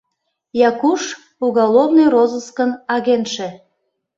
Якуш, уголовный розыскын агентше.